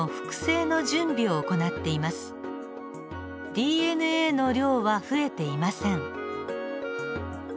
ＤＮＡの量は増えていません。